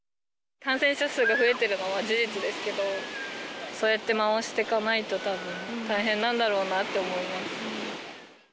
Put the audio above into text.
感染者数が増えてるのは事実ですけど、そうやって回していかないと、たぶん大変なんだろうなって思います。